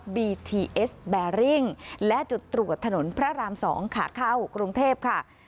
บีทีเอสแบริ่งและจุดตรวจถนนพระราม๒ขาเข้ากรุงเทพค่ะ